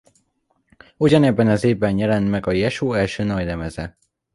Ugyanebben az évben jelent meg a Jesu első nagylemeze.